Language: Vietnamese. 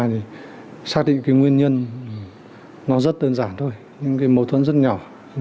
điều tra thì xác định cái nguyên nhân nó rất đơn giản thôi những cái mâu thuẫn rất nhỏ